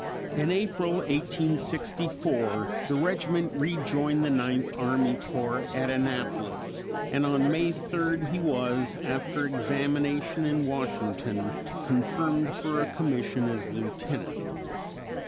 In April, 1864, the regiment rejoined the Ninth Army Corps at Annapolis, and on May 3rd he was, after examination in Washington, confirmed for a commission as Lieutenant.